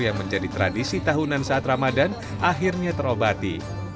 yang menjadi tradisi tahunan saat ramadan akhirnya terobati